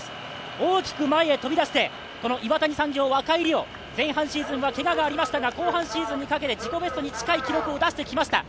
大きく前へ飛び出して、この岩谷産業・若井莉乃、前半シーズンはけががありましたが、後半シーズンにかけて自己ベストに近い記録を出してきました。